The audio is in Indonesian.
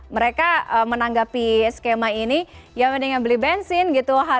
mereka menanggapi skema ini ya mendingan beli bensin gitu